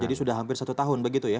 jadi sudah hampir satu tahun begitu ya